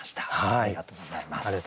ありがとうございます。